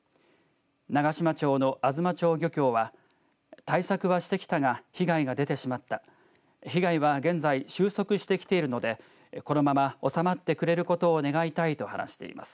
長島町の東町漁協は対策はしてきたが被害が出てしまった被害は現在収束してきているのでこのまま収まってくれることを願いたいと話しています。